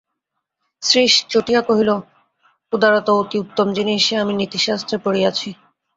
শ্রীশ চটিয়া কহিল, উদারতা অতি উত্তম জিনিস, সে আমি নীতিশাস্ত্রে পড়েছি।